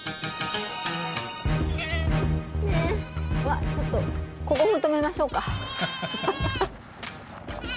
うわっちょっとここも止めましょうか。